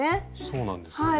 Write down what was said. そうなんですよね。